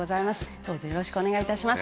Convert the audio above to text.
どうぞよろしくお願い致します。